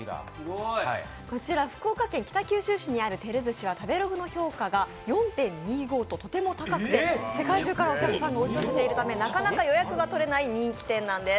福岡県北九州市にある照寿司は食べログの評価が４．２５ととても高くて世界中がお客さんから押し寄せてくるのでなかなか予約が取れない人気店なんです。